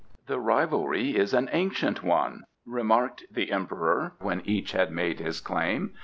"The rivalry is an ancient one," remarked the Emperor when each had made his claim.